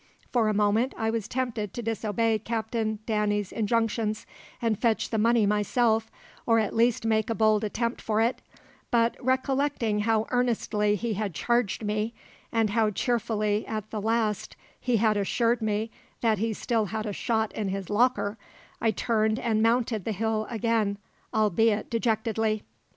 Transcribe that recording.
For a moment I was tempted to disobey Captain Danny's injunctions, and fetch the money myself, or at least make a bold attempt for it; but, recollecting how earnestly he had charged me, and how cheerfully at the last he had assured me that he had still a shot in his locker, I turned and mounted the hill again, albeit dejectedly.